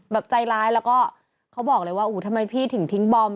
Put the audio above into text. ใจร้ายแล้วก็เขาบอกเลยว่าอู๋ทำไมพี่ถึงทิ้งบอม